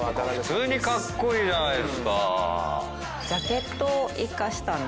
普通にカッコイイじゃないっすか。